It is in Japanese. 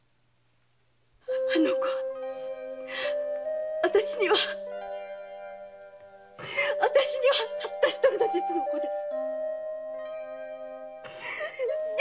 あの子は私には私にはたった一人の実の子です！